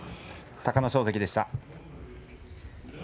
隆の勝関でした。